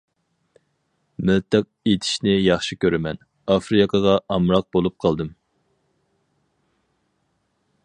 -مىلتىق ئېتىشنى ياخشى كۆرىمەن، ئافرىقىغا ئامراق بولۇپ قالدىم.